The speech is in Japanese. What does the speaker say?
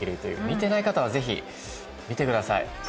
見てない方は是非見てください。